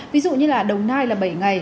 ví dụ như là đồng nai là bảy ngày